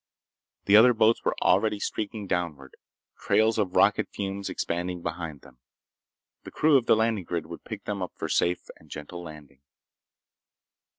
The other boats were already streaking downward, trails of rocket fumes expanding behind them. The crew of the landing grid would pick them up for safe and gentle landing.